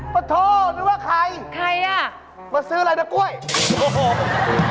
ปะโทนึกว่าใครมาซื้ออะไรนักก้วยใครน่ะ